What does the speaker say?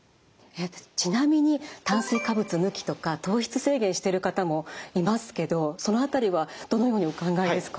ちなみに炭水化物抜きとか糖質制限してる方もいますけどその辺りはどのようにお考えですか？